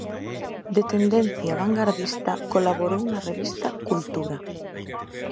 De tendencia vangardista, colaborou na revista "Kultura".